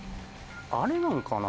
あれなのかな？